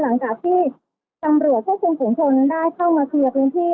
หลังจากที่จำเรือเพื่อคุณผู้ชนได้เข้ามาเคลียร์พื้นที่